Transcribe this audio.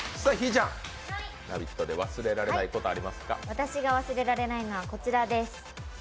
私が忘れられないのはこちらです。